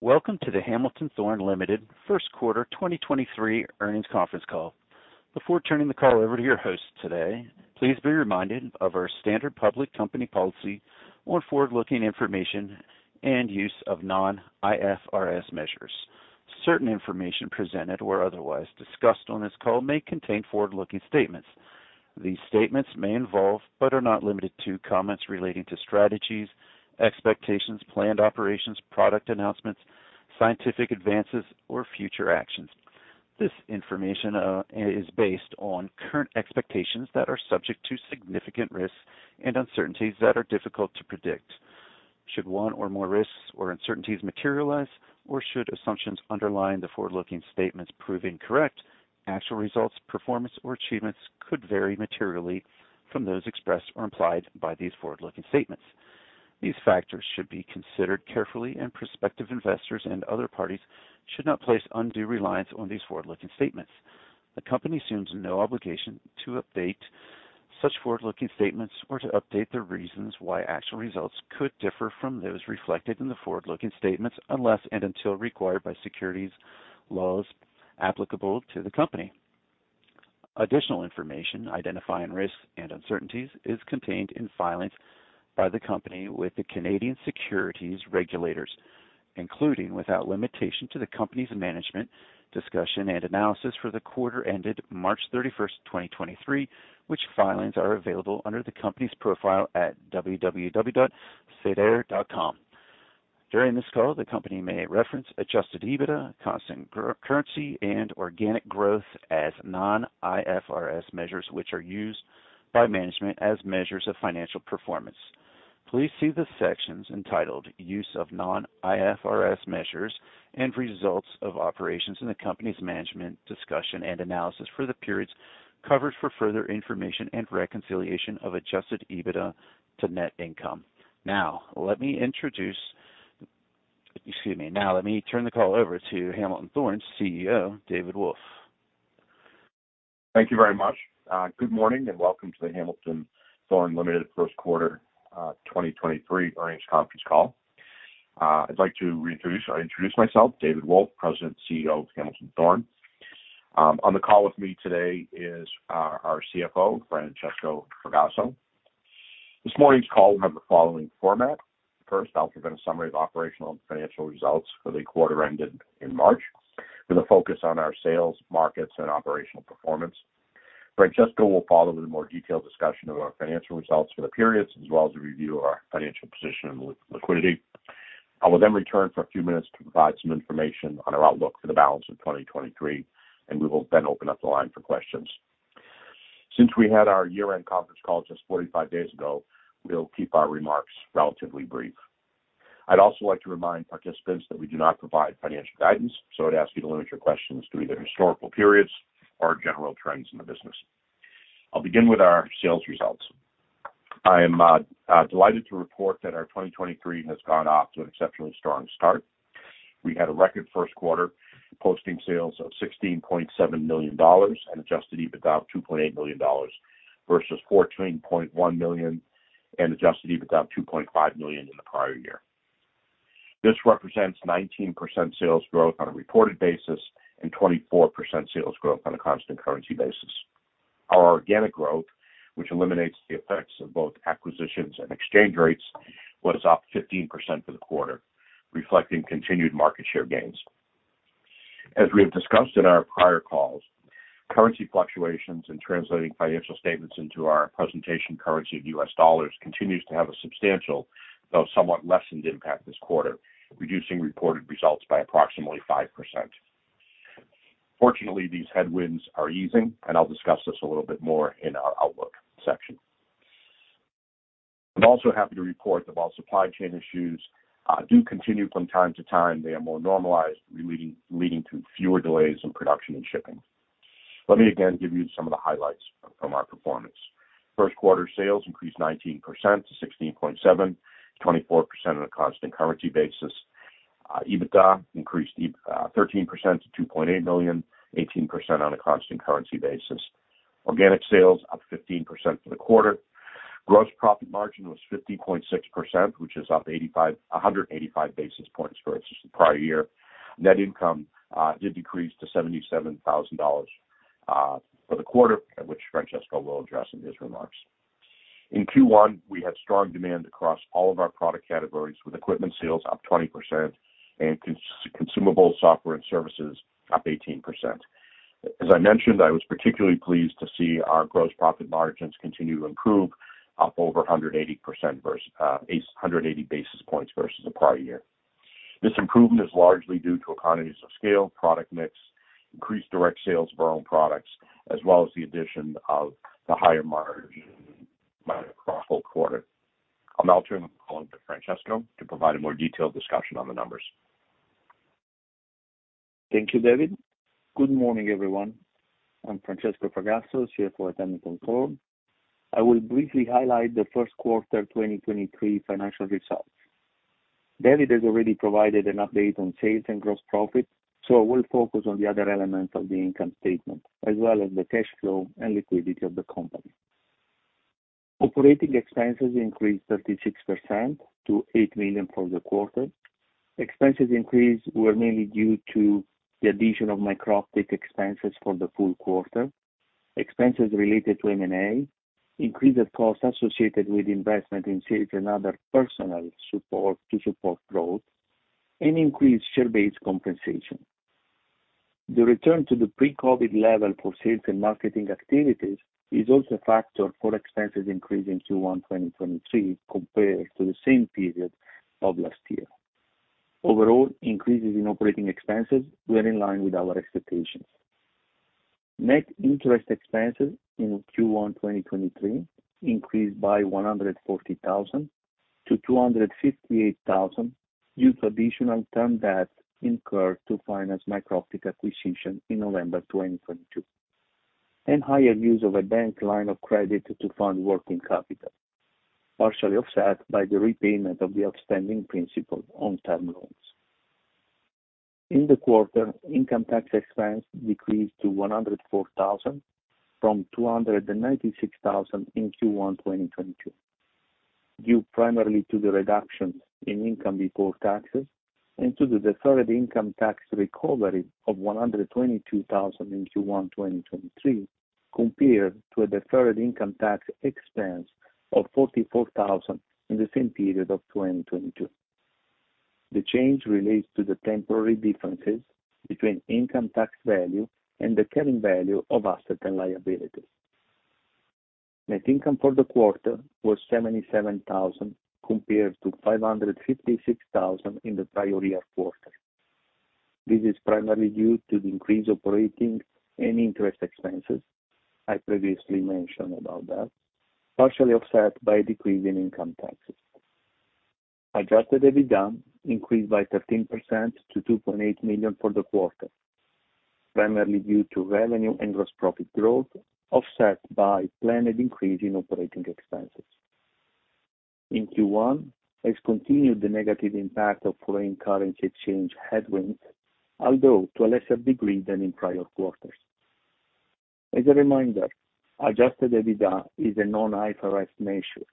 Welcome to the Hamilton Thorne Ltd first quarter 2023 earnings conference call. Before turning the call over to your host today, please be reminded of our standard public company policy on forward-looking information and use of non-IFRS measures. Certain information presented or otherwise discussed on this call may contain forward-looking statements. These statements may involve, but are not limited to, comments relating to strategies, expectations, planned operations, product announcements, scientific advances, or future actions. This information is based on current expectations that are subject to significant risks and uncertainties that are difficult to predict. Should one or more risks or uncertainties materialize, or should assumptions underlying the forward-looking statements prove incorrect, actual results, performance, or achievements could vary materially from those expressed or implied by these forward-looking statements. These factors should be considered carefully and prospective investors and other parties should not place undue reliance on these forward-looking statements. The company assumes no obligation to update such forward-looking statements or to update their reasons why actual results could differ from those reflected in the forward-looking statements unless and until required by securities laws applicable to the company. Additional information identifying risks and uncertainties is contained in filings by the company with the Canadian securities regulators, including without limitation to the company's Management's Discussion and Analysis for the quarter ended March 31, 2023, which filings are available under the company's profile at www.SEDAR.com. During this call, the company may reference Adjusted EBITDA, constant currency, and organic growth as non-IFRS measures, which are used by management as measures of financial performance. Please see the sections entitled Use of Non-IFRS Measures and Results of Operations in the company's Management's Discussion and Analysis for the periods covered for further information and reconciliation of Adjusted EBITDA to net income. Excuse me. Now, let me turn the call over to Hamilton Thorne's CEO, David Wolf. Thank you very much. Good morning and welcome to the Hamilton Thorne Limited first quarter 2023 earnings conference call. I'd like to reintroduce or introduce myself, David Wolf, President and CEO of Hamilton Thorne. On the call with me today is our CFO, Francesco Fragasso. This morning's call will have the following format. First, I'll provide a summary of operational and financial results for the quarter ended in March, with a focus on our sales, markets, and operational performance. Francesco will follow with a more detailed discussion of our financial results for the periods as well as a review of our financial position and liquidity. I will then return for a few minutes to provide some information on our outlook for the balance of 2023, and we will then open up the line for questions. Since we had our year-end conference call just 45 days ago, we'll keep our remarks relatively brief. I'd also like to remind participants that we do not provide financial guidance, so I'd ask you to limit your questions to either historical periods or general trends in the business. I'll begin with our sales results. I am delighted to report that our 2023 has gone off to an exceptionally strong start. We had a record first quarter, posting sales of $16.7 million and Adjusted EBITDA of $2.8 million versus $14.1 million and Adjusted EBITDA of $2.5 million in the prior year. This represents 19% sales growth on a reported basis and 24% sales growth on a constant currency basis. Our organic growth, which eliminates the effects of both acquisitions and exchange rates, was up 15% for the quarter, reflecting continued market share gains. As we have discussed in our prior calls, currency fluctuations and translating financial statements into our presentation currency of US dollars continues to have a substantial, though somewhat lessened impact this quarter, reducing reported results by approximately 5%. Fortunately, these headwinds are easing. I'll discuss this a little bit more in our outlook section. I'm also happy to report that while supply chain issues do continue from time to time, they are more normalized, leading to fewer delays in production and shipping. Let me again give you some of the highlights from our performance. First quarter sales increased 19% to $16.7, 24% on a constant currency basis. EBITDA increased 13% to $2.8 million, 18% on a constant currency basis. Organic sales up 15% for the quarter. Gross profit margin was 50.6%, which is up 185 basis points versus the prior year. Net income did decrease to $77,000 for the quarter, which Francesco will address in his remarks. In Q1, we had strong demand across all of our product categories, with equipment sales up 20% and consumable software and services up 18%. As I mentioned, I was particularly pleased to see our gross profit margins continue to improve, up over 180% versus 180 basis points versus the prior year. This improvement is largely due to economies of scale, product mix, increased direct sales of our own products, as well as the addition of the higher margin across the whole quarter. I'll now turn the call over to Francesco to provide a more detailed discussion on the numbers. Thank you, David. Good morning, everyone. I'm Francesco Fragasso, CFO at Hamilton Thorne. I will briefly highlight the first quarter 2023 financial results. David has already provided an update on sales and gross profit, so I will focus on the other elements of the income statement, as well as the cash flow and liquidity of the company. Operating expenses increased 36% to $8 million for the quarter. Expenses increase were mainly due to the addition of Microptic expenses for the full quarter. Expenses related to M&A, increased costs associated with investment in sales and other personal support to support growth, and increased share-based compensation. The return to the pre-COVID level for sales and marketing activities is also a factor for expenses increasing to 1 2023 compared to the same period of last year. Overall, increases in operating expenses were in line with our expectations. Net interest expenses in Q1 2023 increased by $140,000 to 258,000 due to additional term debt incurred to finance Microptic acquisition in November 2022, and higher use of a bank line of credit to fund working capital, partially offset by the repayment of the outstanding principal on term loans. In the quarter, income tax expense decreased to $104,000 from $296,000 in Q1 2022, due primarily to the reductions in income before taxes and to the deferred income tax recovery of $122,000 in Q1 2023, compared to a deferred income tax expense of $44,000 in the same period of 2022. The change relates to the temporary differences between income tax value and accounting value of assets and liabilities. Net income for the quarter was $77,000 compared to $556,000 in the prior year quarter. This is primarily due to the increased operating and interest expenses, I previously mentioned about that, partially offset by a decrease in income taxes. Adjusted EBITDA increased by 13% to $2.8 million for the quarter, primarily due to revenue and gross profit growth, offset by planned increase in operating expenses. In Q1 has continued the negative impact of foreign currency exchange headwinds, although to a lesser degree than in prior quarters. As a reminder, Adjusted EBITDA is a non-IFRS measure.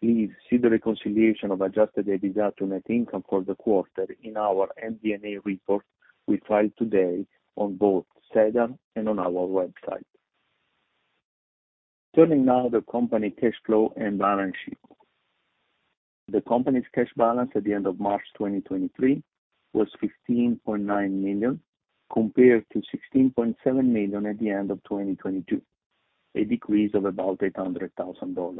Please see the reconciliation of Adjusted EBITDA to net income for the quarter in our MD&A report we filed today on both SEDAR and on our website. Turning now to the company cash flow and balance sheet. The company's cash balance at the end of March 2023 was $15.9 million, compared to $16.7 million at the end of 2022, a decrease of about $800,000.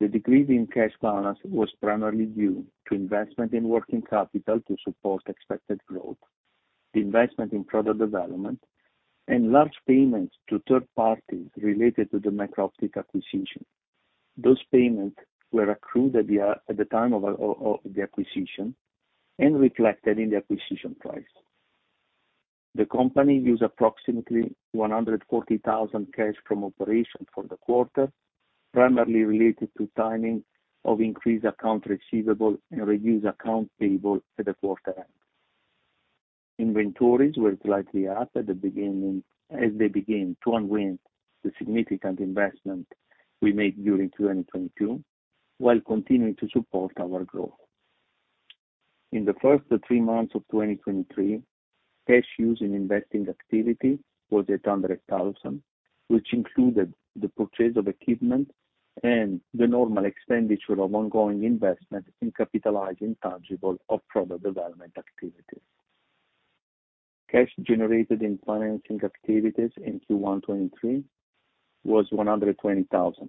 The decrease in cash balance was primarily due to investment in working capital to support expected growth, the investment in product development, and large payments to third parties related to the Microptic acquisition. Those payments were accrued at the time of the acquisition and reflected in the acquisition price. The company used approximately $140,000 cash from operations for the quarter, primarily related to timing of increased accounts receivable and reduced accounts payable at the quarter end. Inventories were slightly up at the beginning as they begin to unwind the significant investment we made during 2022, while continuing to support our growth. In the three months of 2023, cash used in investing activity was $800,000, which included the purchase of equipment and the normal expenditure of ongoing investment in capitalizing tangible of product development activities. Cash generated in financing activities in Q1 2023 was $120,000.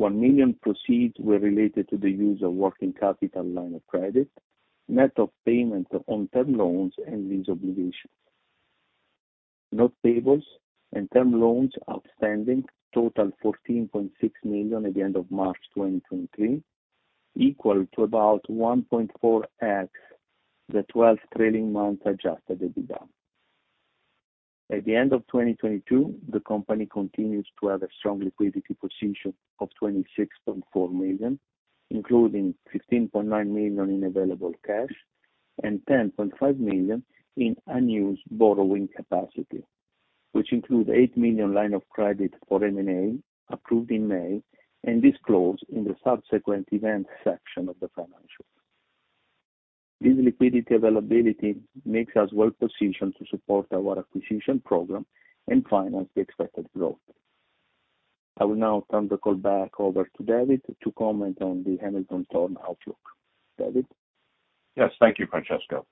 $1 million proceeds were related to the use of working capital line of credit, net of payment on term loans and lease obligations. Notes payables and term loans outstanding totaled $14.6 million at the end of March 2023, equal to about 1.4x the 12 trailing month Adjusted EBITDA. At the end of 2022, the company continues to have a strong liquidity position of $26.4 million, including $15.9 million in available cash and $10.5 million in unused borrowing capacity, which include $8 million line of credit for M&A approved in May and disclosed in the subsequent events section of the financials. This liquidity availability makes us well positioned to support our acquisition program and finance the expected growth. I will now turn the call back over to David to comment on the Hamilton Thorne outlook. David? Yes, thank you, Francesco.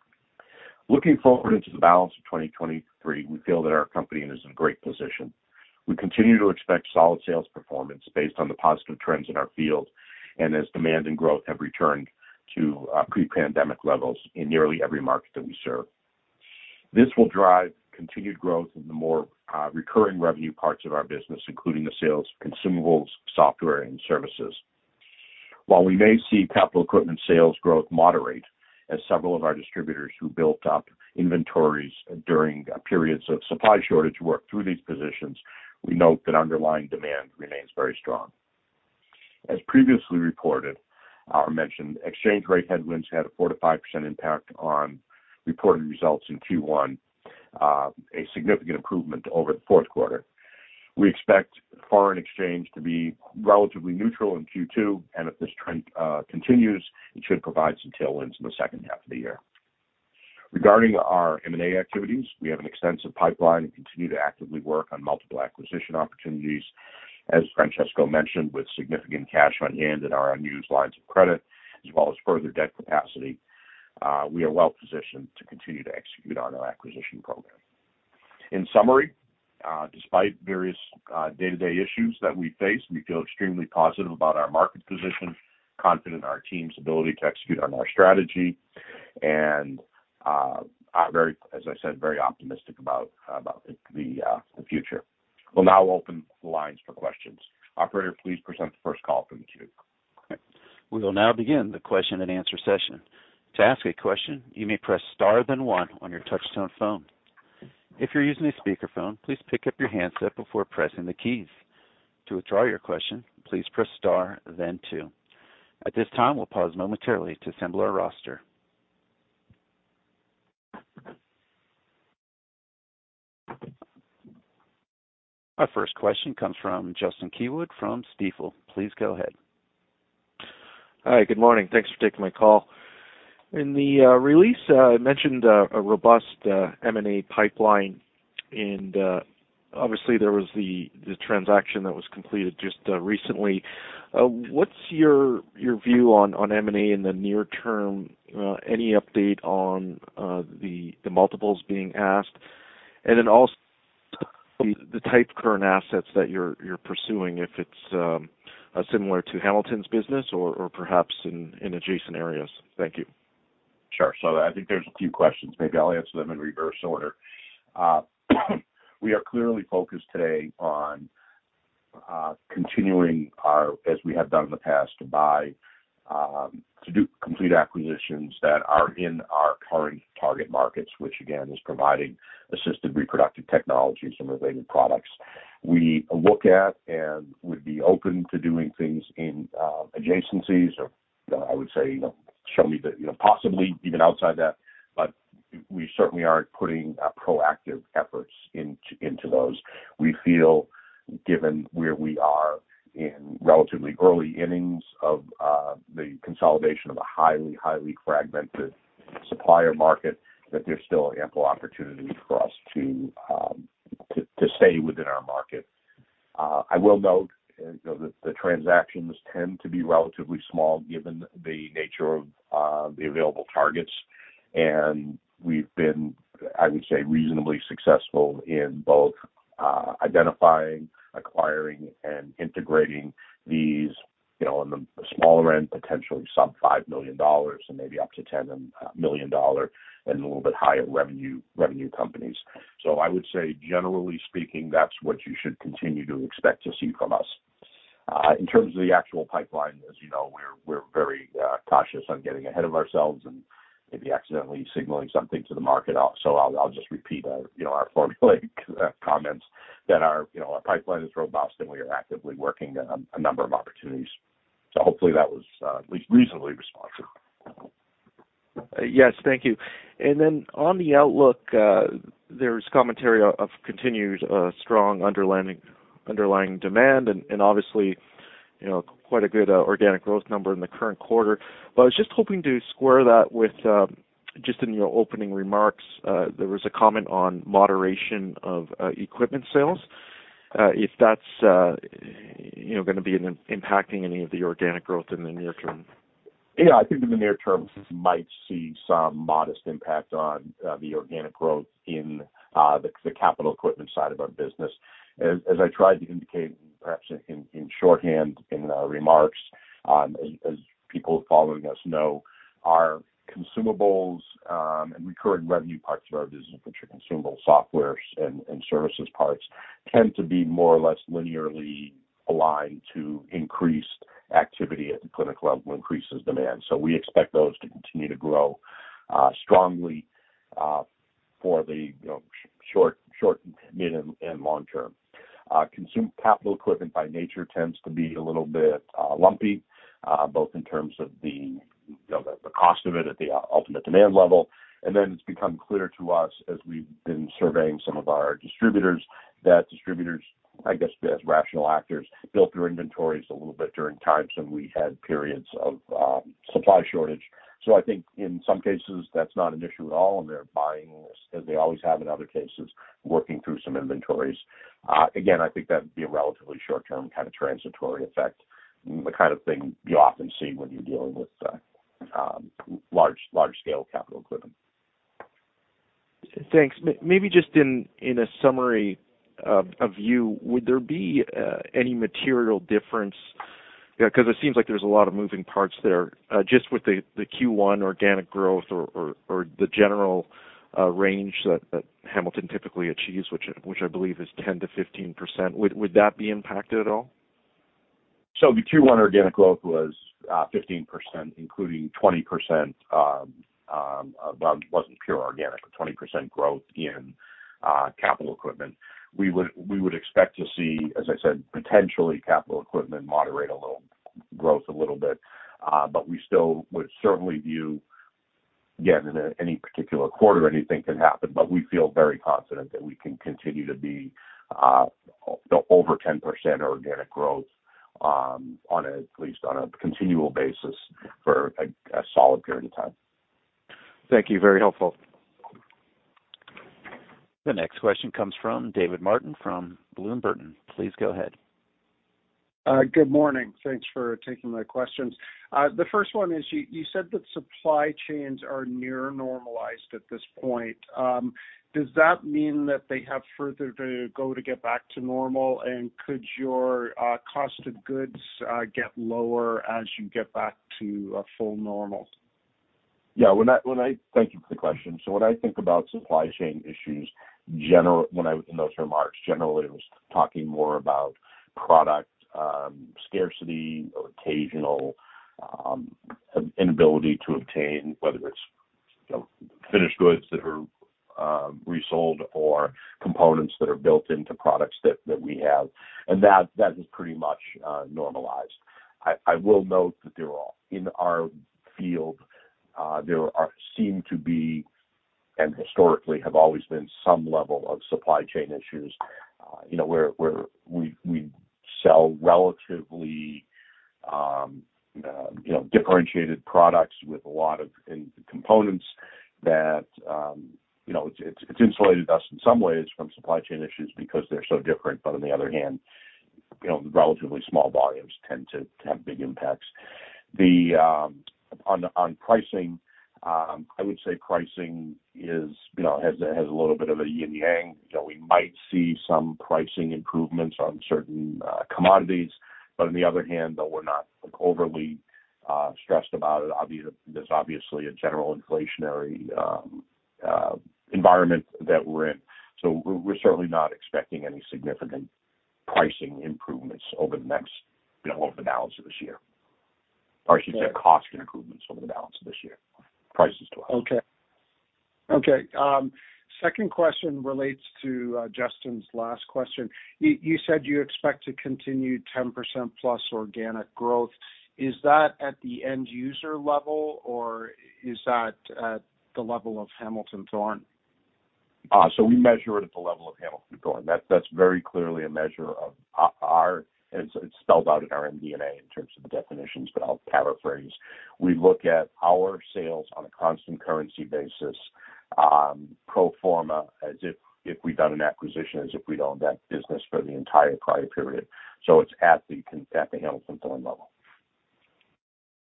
Looking forward into the balance of 2023, we feel that our company is in great position. We continue to expect solid sales performance based on the positive trends in our field and as demand and growth have returned to pre-pandemic levels in nearly every market that we serve. This will drive continued growth in the more recurring revenue parts of our business, including the sales of consumables, software, and services. While we may see capital equipment sales growth moderate as several of our distributors who built up inventories during periods of supply shortage work through these positions, we note that underlying demand remains very strong. As previously reported or mentioned, exchange rate headwinds had a 4%-5% impact on reported results in Q1, a significant improvement over the fourth quarter. We expect foreign exchange to be relatively neutral in Q2, and if this trend continues, it should provide some tailwinds in the second half of the year. Regarding our M&A activities, we have an extensive pipeline and continue to actively work on multiple acquisition opportunities. As Francesco mentioned, with significant cash on hand and our unused lines of credit, as well as further debt capacity, we are well positioned to continue to execute on our acquisition program. In summary, despite various day-to-day issues that we face, we feel extremely positive about our market position, confident in our team's ability to execute on our strategy, and are very, as I said, very optimistic about the future. We'll now open the lines for questions. Operator, please present the first call from the queue. We will now begin the question-and-answer session. To ask a question, you may press star then one on your touch-tone phone. If you're using a speakerphone, please pick up your handset before pressing the keys. To withdraw your question, please press star then two. At this time, we'll pause momentarily to assemble our roster. Our first question comes from Justin Keywood from Stifel. Please go ahead. Hi. Good morning. Thanks for taking my call. In the release, it mentioned a robust M&A pipeline, and obviously there was the transaction that was completed just recently. What's your view on M&A in the near term? Any update on the multiples being asked? Also the type of current assets that you're pursuing, if it's similar to Hamilton's business or perhaps in adjacent areas. Thank you. Sure. I think there's a few questions. Maybe I'll answer them in reverse order. We are clearly focused today on continuing our, as we have done in the past, to buy, to do complete acquisitions that are in our current target markets, which again, is providing Assisted Reproductive Technologies and related products. We look at and would be open to doing things in adjacencies or I would say, you know, possibly even outside that, but we certainly aren't putting proactive efforts into those. We feel given where we are in relatively early innings of the consolidation of a highly fragmented supplier market, that there's still ample opportunity for us to, to stay within our market. I will note, you know, that the transactions tend to be relatively small given the nature of the available targets. We've been, I would say, reasonably successful in both identifying, acquiring, and integrating these, you know, on the smaller end, potentially sub $5 million and maybe up to $10 million and a little bit higher revenue companies. I would say generally speaking, that's what you should continue to expect to see from us. In terms of the actual pipeline, as you know, we're very cautious on getting ahead of ourselves and maybe accidentally signaling something to the market. I'll just repeat our, you know, our formulaic comments that our, you know, our pipeline is robust and we are actively working on a number of opportunities. Hopefully that was at least reasonably responsive. Yes. Thank you. On the outlook, there's commentary of continued strong underlying demand and obviously, you know, quite a good organic growth number in the current quarter. I was just hoping to square that with, just in your opening remarks, there was a comment on moderation of equipment sales, if that's, you know, gonna be impacting any of the organic growth in the near term. Yeah. I think in the near term, we might see some modest impact on the organic growth in the capital equipment side of our business. As I tried to indicate perhaps in shorthand in the remarks, as people following us know, our consumables, and recurring revenue parts of our business, which are consumable softwares and services parts, tend to be more or less linearly aligned to increased activity at the clinic level increases demand. We expect those to continue to grow strongly for the, you know, short, mid, and long term. Consume capital equipment by nature tends to be a little bit lumpy, both in terms of the, you know, the cost of it at the ultimate demand level. It's become clear to us as we've been surveying some of our distributors, that distributors, I guess, as rational actors, built their inventories a little bit during times when we had periods of supply shortage. I think in some cases that's not an issue at all and they're buying as they always have in other cases, working through some inventories. Again, I think that'd be a relatively short term kind of transitory effect, the kind of thing you often see when you're dealing with large scale capital equipment. Thanks. Maybe just in a summary of you, would there be any material difference? Yeah. It seems like there's a lot of moving parts there, just with the Q1 organic growth or the general range that Hamilton Thorne typically achieves, which I believe is 10%-15%. Would that be impacted at all? The Q1 organic growth was 15%, including 20%, it wasn't pure organic, but 20% growth in capital equipment. We would expect to see, as I said, potentially capital equipment moderate a little, growth a little bit. We still would certainly view Again, in any particular quarter, anything can happen, but we feel very confident that we can continue to be, the over 10% organic growth, at least on a continual basis for a solid period of time. Thank you. Very helpful. The next question comes from David Martin from Bloom Burton. Please go ahead. Good morning. Thanks for taking my questions. The first one is you said that supply chains are near normalized at this point. Does that mean that they have further to go to get back to normal? Could your cost of goods get lower as you get back to full normal? Yeah. When I Thank you for the question. When I think about supply chain issues, when I was in those remarks, generally it was talking more about product scarcity or occasional inability to obtain whether it's, you know, finished goods that are resold or components that are built into products that we have, and that is pretty much normalized. I will note that there are in our field, there are seem to be, and historically have always been some level of supply chain issues, you know, where we sell relatively, you know, differentiated products with a lot of components that, you know, it's insulated us in some ways from supply chain issues because they're so different. On the other hand, you know, relatively small volumes tend to have big impacts. On pricing, I would say pricing is, you know, has a little bit of a yin-yang. You know, we might see some pricing improvements on certain commodities, on the other hand, though, we're not overly stressed about it. There's obviously a general inflationary environment that we're in. We're certainly not expecting any significant pricing improvements over the next, you know, over the balance of this year, or I should say cost improvements over the balance of this year. Prices to us. Okay. Okay. Second question relates to Justin's last question. You said you expect to continue 10% plus organic growth. Is that at the end user level or is that at the level of Hamilton Thorne? We measure it at the level of Hamilton Thorne. That's very clearly a measure of our. It's spelled out in our MD&A in terms of the definitions, but I'll paraphrase. We look at our sales on a constant currency basis, pro forma as if we've done an acquisition, as if we'd owned that business for the entire prior period. It's at the Hamilton Thorne level.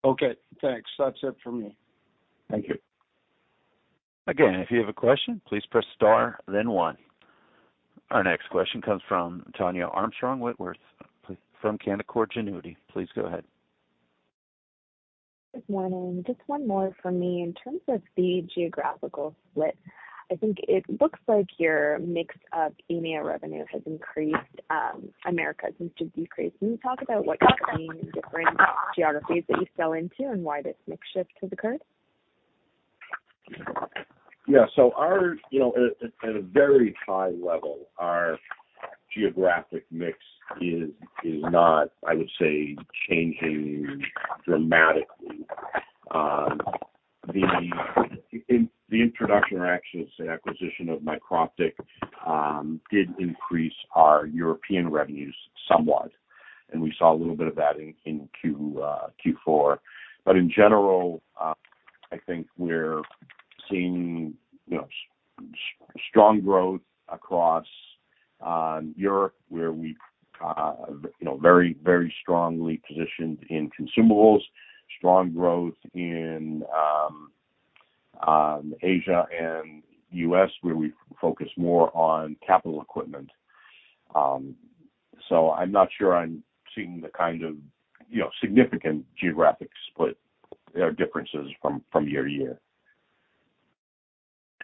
Okay, thanks. That's it for me. Thank you. Again, if you have a question, please press star then one. Our next question comes from Tania Armstrong-Whitworth from Canaccord Genuity. Please go ahead. Good morning. Just one more for me. In terms of the geographical split, I think it looks like your mix of EMEA revenue has increased, America seems to decrease. Can you talk about what you're seeing in different geographies that you sell into and why this mix shift has occurred? Yeah. Our, you know, at a very high level, our geographic mix is not, I would say, changing dramatically. The introduction or actually say acquisition of Microptic did increase our European revenues somewhat, and we saw a little bit of that in Q4. In general, I think we're seeing, you know, strong growth across Europe where we, you know, very, very strongly positioned in consumables, strong growth in Asia and U.S., where we focus more on capital equipment. I'm not sure I'm seeing the kind of, you know, significant geographic split or differences from year to year.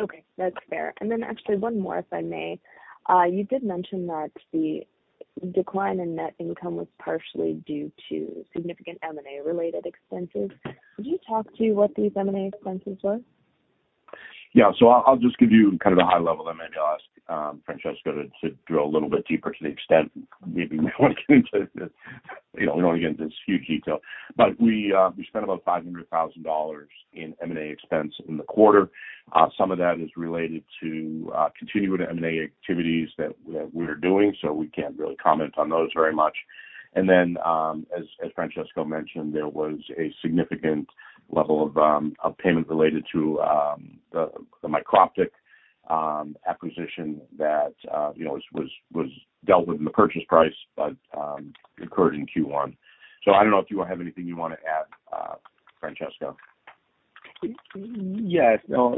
Okay. That's fair. Actually, one more, if I may. You did mention that the decline in net income was partially due to significant M&A related expenses. Could you talk to what these M&A expenses were? Yeah. I'll just give you kind of the high level. I maybe I'll ask Francesco to drill a little bit deeper to the extent maybe we want to get into this. You know, we don't wanna get into this huge detail, we spent about $500,000 in M&A expense in the quarter. Some of that is related to continuing M&A activities that we're doing. We can't really comment on those very much. As Francesco mentioned, there was a significant level of a payment related to the Microptic acquisition that, you know, was dealt with in the purchase price, but incurred in Q1. I don't know if you have anything you wanna add, Francesco. Yes. No.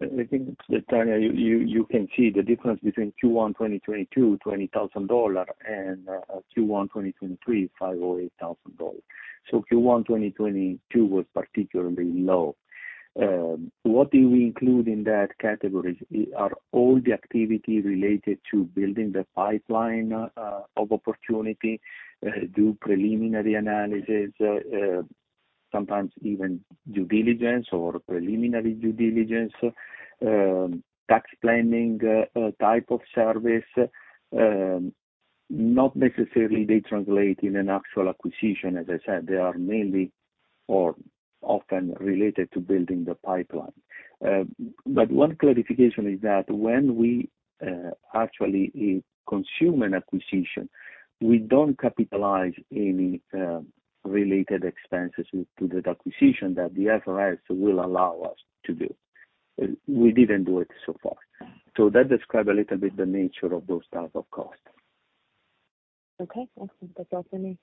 I think that, Tania, you can see the difference between Q1 2022, $20,000 and Q1 2023, $5,000 or $8,000. Q1 2022 was particularly low. What do we include in that category are all the activity related to building the pipeline of opportunity, do preliminary analysis, sometimes even due diligence or preliminary due diligence, tax planning type of service. Not necessarily they translate in an actual acquisition. As I said, they are mainly or often related to building the pipeline. One clarification is that when we actually consume an acquisition, we don't capitalize any related expenses to that acquisition that the IFRS will allow us to do. We didn't do it so far. That describe a little bit the nature of those type of costs. Okay, excellent. That's all for me.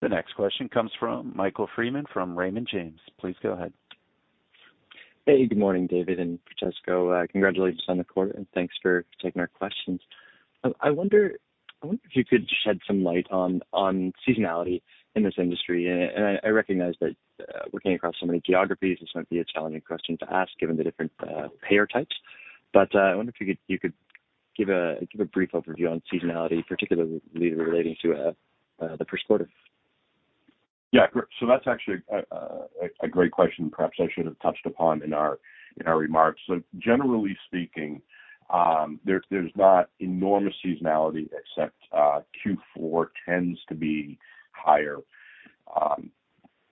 The next question comes from Michael Freeman from Raymond James. Please go ahead. Hey, good morning, David and Francesco. Congratulations on the quarter, and thanks for taking our questions. I wonder if you could shed some light on seasonality in this industry. I recognize that, working across so many geographies, this might be a challenging question to ask, given the different payer types. I wonder if you could give a brief overview on seasonality, particularly relating to the prescriptive. Yeah, that's actually a great question, perhaps I should have touched upon in our remarks. Generally speaking, there's not enormous seasonality except Q4 tends to be higher,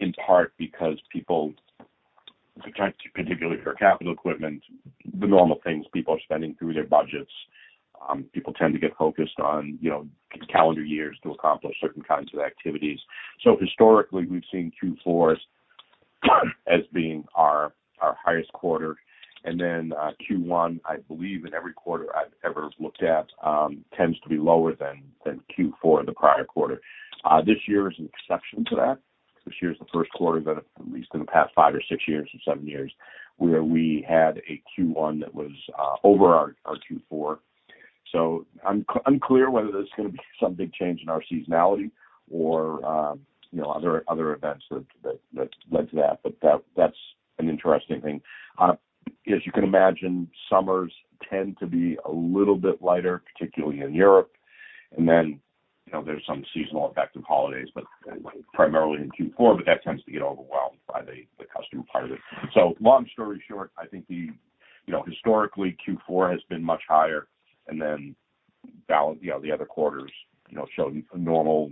in part because people try to, particularly for capital equipment, the normal things people are spending through their budgets. People tend to get focused on, you know, calendar years to accomplish certain kinds of activities. Historically, we've seen Q4s as being our highest quarter. Q1, I believe in every quarter I've ever looked at, tends to be lower than Q4 the prior quarter. This year is an exception to that. This year is the first quarter that at least in the past five or six years or seven years, where we had a Q1 that was over our Q4. Unclear whether there's gonna be some big change in our seasonality or, you know, other events that led to that. That's an interesting thing. As you can imagine, summers tend to be a little bit lighter, particularly in Europe. Then, you know, there's some seasonal effect of holidays, but primarily in Q4, but that tends to get overwhelmed by the customer part of it. Long story short, I think the, you know, historically Q4 has been much higher. Then the other quarters, you know, show normal,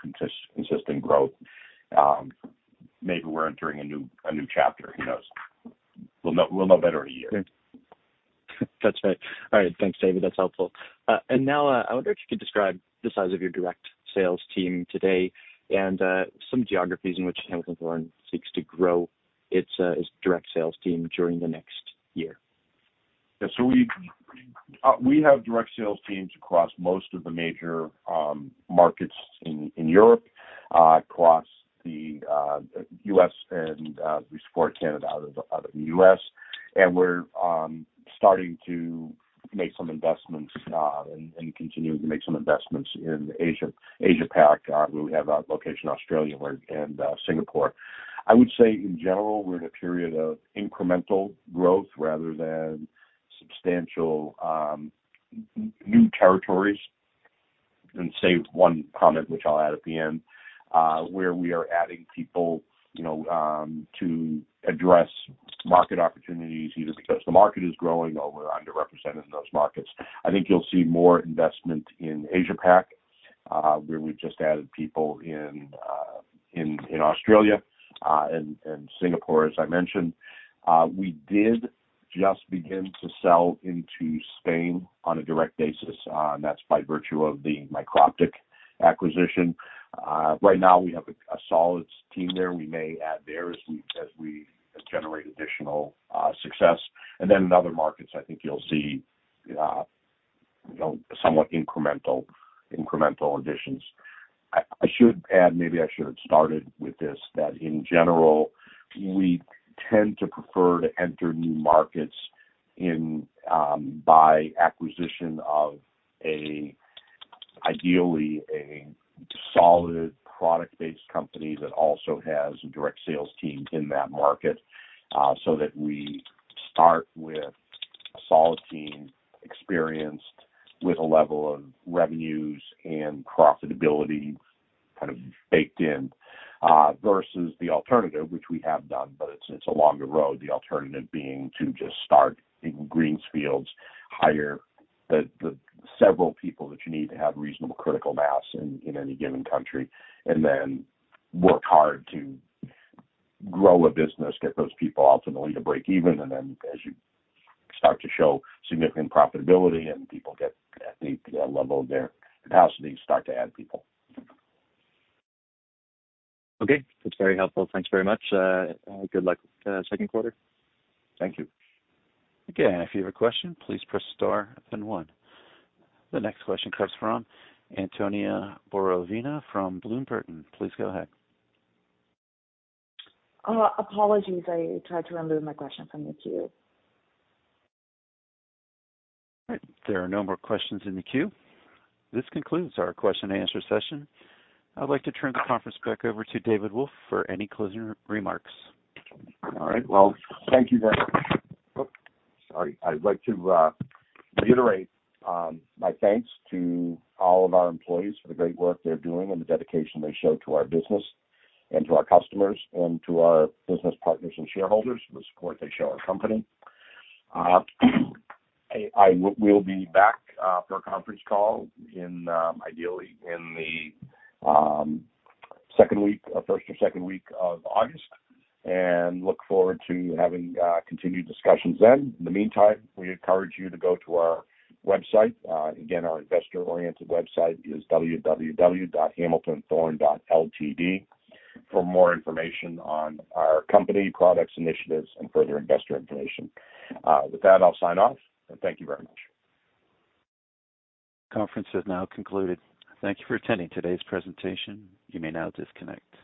consistent growth. Maybe we're entering a new chapter. Who knows? We'll know better in a year. Touché. All right, thanks, David. That's helpful. Now, I wonder if you could describe the size of your direct sales team today and some geographies in which Hamilton Thorne seeks to grow its direct sales team during the next year? We have direct sales teams across most of the major markets in Europe, across the U.S. and we support Canada out of the U.S. We're starting to make some investments and continuing to make some investments in Asia Pac, where we have a location Australia and Singapore. I would say in general, we're in a period of incremental growth rather than substantial new territories. Save one comment, which I'll add at the end, where we are adding people, you know, to address market opportunities, either because the market is growing or we're underrepresented in those markets. I think you'll see more investment in Asia Pac, where we've just added people in Australia and Singapore, as I mentioned. We did just begin to sell into Spain on a direct basis, and that's by virtue of the Microptic acquisition. Right now we have a solid team there. We may add there as we generate additional success. In other markets, I think you'll see, you know, somewhat incremental additions. I should add, maybe I should have started with this, that in general, we tend to prefer to enter new markets in by acquisition of ideally a solid product-based company that also has a direct sales team in that market, so that we start with a solid team experienced with a level of revenues and profitability kind of baked in versus the alternative, which we have done, but it's along the road. The alternative being to just start in greenfields, hire the several people that you need to have reasonable critical mass in any given country, and then work hard to grow a business, get those people ultimately to break even. As you start to show significant profitability and people get at the level of their capacity, start to add people. Okay, that's very helpful. Thanks very much. Good luck, second quarter. Thank you. Again, if you have a question, please press star then one. The next question comes from Antonia Borovina from Bloom Burton. Please go ahead. Apologies. I tried to remove my question from the queue. All right. There are no more questions in the queue. This concludes our question and answer session. I'd like to turn the conference back over to David Wolf for any closing remarks. All right. Well, thank you very. Sorry. I'd like to reiterate my thanks to all of our employees for the great work they're doing and the dedication they show to our business and to our customers and to our business partners and shareholders for the support they show our company. We'll be back for a conference call in, ideally in the second week or first or second week of August, and look forward to having continued discussions then. In the meantime, we encourage you to go to our website. Again, our investor-oriented website is ir@hamiltonthorne.ltd for more information on our company, products, initiatives, and further investor information. With that, I'll sign off. Thank you very much. Conference is now concluded. Thank you for attending today's presentation. You may now disconnect.